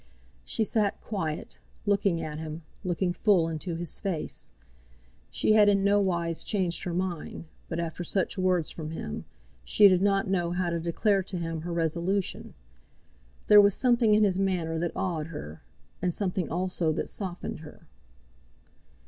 She sat quiet, looking at him looking full into his face. She had in nowise changed her mind, but after such words from him, she did not know how to declare to him her resolution. There was something in his manner that awed her, and something also that softened her.